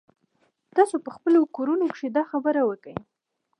تاسو په خپلو کورونو کښې دا خبره وکئ.